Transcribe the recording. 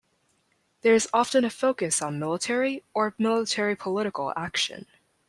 There is often a focus on military or military-political action.